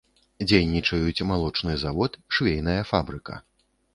Дзейнічаюць малочны завод, швейная фабрыка.